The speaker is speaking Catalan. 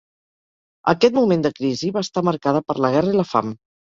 Aquest moment de crisi va estar marcada per la guerra i la fam.